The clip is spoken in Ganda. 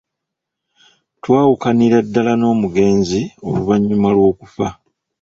twawukanira ddaala n'omugenzi oluvannyuma lw'okufa.